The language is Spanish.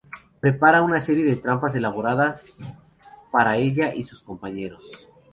Prepara una serie de trampas elaboradas para ella y sus compañeros.